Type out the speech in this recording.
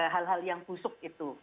hal hal yang busuk itu